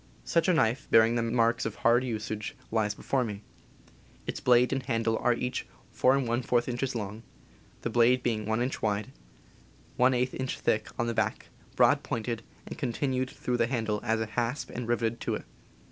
Such a knife, bearing the marks of hard usage, lies before me. Its blade and handle are each 4j inches long, the blade being 1 inch wide, J inch thick on the back, broad pointed, and continued through the handle as a hasp and riveted to it.